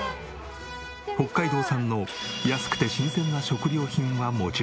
北海道産の安くて新鮮な食料品はもちろん。